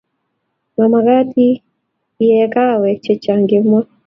Mamagat iee kahawek chchang kemoi